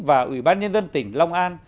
và ủy ban nhân dân tỉnh long an